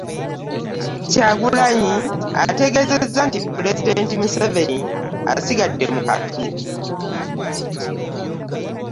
Kyagulanyi ategeezezza nti pulezidenti Museveni asigadde mu kattu.